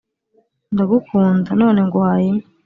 «ndagukunda, none nguhaye inka.»